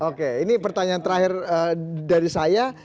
oke ini pertanyaan terakhir dari saya